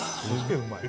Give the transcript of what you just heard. うまい！